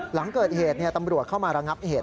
หลังเกิดเหตุตำรวจเข้ามาระงับเหตุ